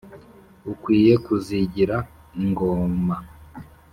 ukwiye kuzigira, ingoma